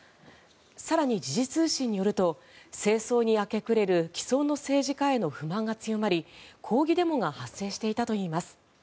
更に、時事通信によると政争に明け暮れる既存の政治家への不信が募り抗議デモが発生していたといいます。